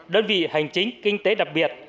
đơn vị hành chính kinh tế đặc biệt